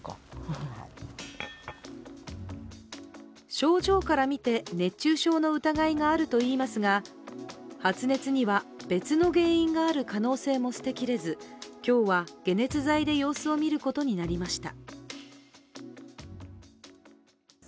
症状から見て熱中症の疑いがあるといいますが発熱には、別の原因がある可能性も捨てきれず、今日は解熱剤で様子を見ることになりました。